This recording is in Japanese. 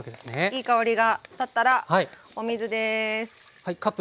いい香りが立ったらお水です。